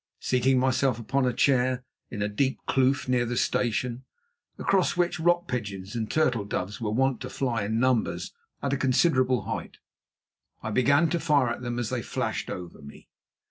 Seating myself upon a chair in a deep kloof near the station, across which rock pigeons and turtle doves were wont to fly in numbers at a considerable height, I began to fire at them as they flashed over me.